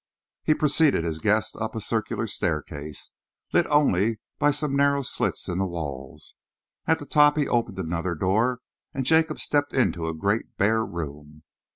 He preceded his guest up a circular staircase, lit only by some narrow slits in the walls. At the top he opened another door and Jacob stepped into a great bare room.